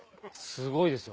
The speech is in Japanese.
すごいですよ。